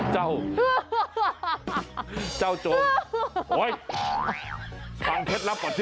เจ้าจอมฟังเคล็ดลับก่อนสิ